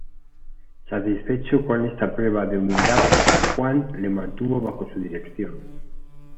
Satisfecho con esta prueba de humildad, San Juan le mantuvo bajo su dirección.